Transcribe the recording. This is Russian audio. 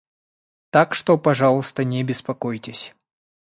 Так что, пожалуйста, не беспокойтесь.